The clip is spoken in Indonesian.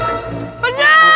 terima kasih pak